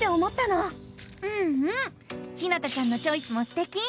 うんうんひなたちゃんのチョイスもすてき！